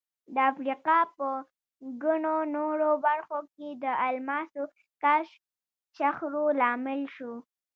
د افریقا په ګڼو نورو برخو کې د الماسو کشف شخړو لامل شو.